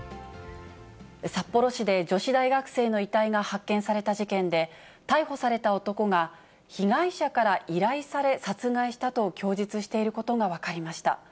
札幌市で女子大学生の遺体が発見された事件で、逮捕された男が、被害者から依頼され殺害したと供述していることが分かりました。